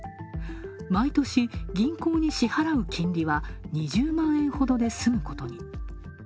毎年、銀行に支払う金利は２０万円ほどで済むことに。